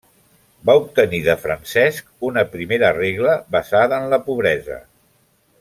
Va obtenir de Francesc una primera regla basada en la pobresa.